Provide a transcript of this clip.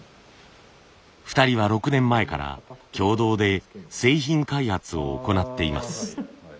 ２人は６年前から共同で製品開発を行っています。